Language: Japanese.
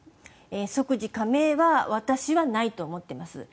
即時加盟は私はないと思っています。